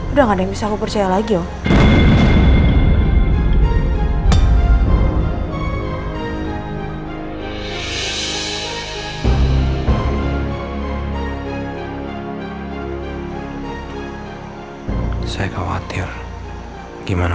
ada yang mau ketemu sama dia kamu lapor ke saya